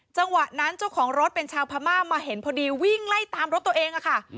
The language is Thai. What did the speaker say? จังหวะนั้นเจ้าของรถเป็นชาวพม่ามาเห็นพอดีวิ่งไล่ตามรถตัวเองค่ะ